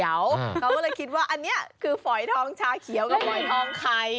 เขาก็เลยคิดว่าอันนี้คือฝอยทองชาเขียวกับฝอยทองไข่